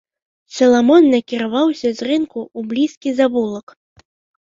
Саламон накіраваўся з рынку ў блізкі завулак.